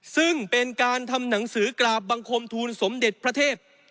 ซึ่งเป็นการทำหนังสือกราบบังคมทูลสมเด็จพระเทพ